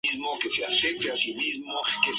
El tratado se basa principalmente en Euclides.